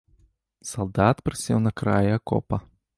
Салдат прысеў на краі акопа.